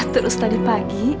terus tadi pagi